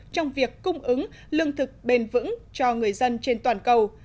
trong việc cung ứng lương thực bền vững cho người dân trên toàn cầu